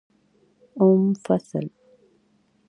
اووم فصل